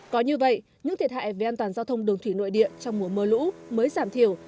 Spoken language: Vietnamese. có như vậy những thiệt hại về an toàn giao thông đường thủy nội địa trong mùa mưa lũ mới giảm thiểu